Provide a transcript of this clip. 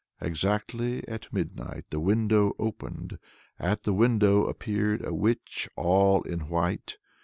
Exactly at midnight the window opened. At the window appeared a witch all in white.